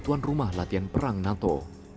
tuan rumah latihan perang nato